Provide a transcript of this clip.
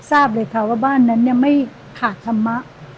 ทราบเลยค่ะว่าบ้านนั้นไม่ขาดธรรมะ